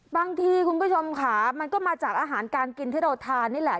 คุณผู้ชมค่ะมันก็มาจากอาหารการกินที่เราทานนี่แหละ